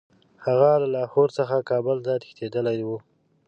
هغه له لاهور څخه کابل ته تښتېتدلی وو.